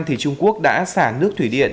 trung quốc đã xả nước thủy điện